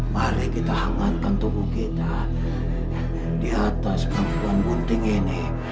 mari kita hangatkan tubuh kita di atas perempuan gunting ini